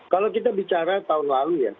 kalau kita bicara tahun lalu ya